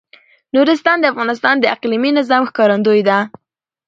نورستان د افغانستان د اقلیمي نظام ښکارندوی ده.